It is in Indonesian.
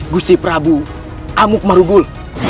gusti prabu amuk marugul